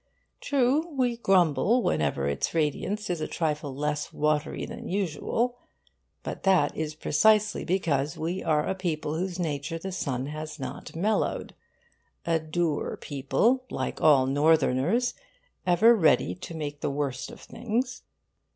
True, we grumble whenever its radiance is a trifle less watery than usual. But that is precisely because we are a people whose nature the sun has not mellowed a dour people, like all northerners, ever ready to make the worst of things.